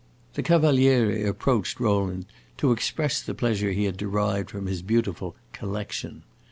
The Cavaliere approached Rowland, to express the pleasure he had derived from his beautiful "collection."